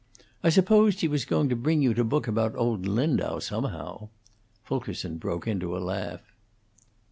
I supposed he was going to bring you to book about old Lindau, somehow." Fulkerson broke into a laugh.